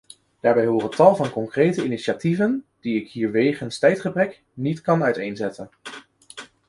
Daarbij horen tal van concrete initiatieven die ik hier wegens tijdgebrek niet kan uiteenzetten.